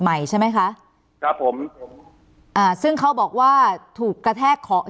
ใหม่ใช่ไหมคะครับผมผมอ่าซึ่งเขาบอกว่าถูกกระแทกของ